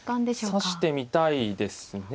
指してみたいですね。